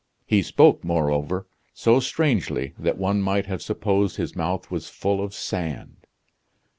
He spoke, moreover, so strangely that one might have supposed his mouth was full of sand.